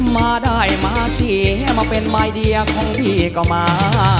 มาได้มาเสียมาเป็นมายเดียของพี่ก็มา